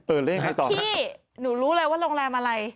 พี่หนูรู้เลยว่าโรงแรมอะไร